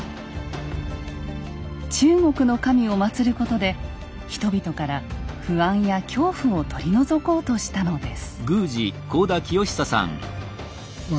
中国の神を祭ることで人々から不安や恐怖を取り除こうしたのです。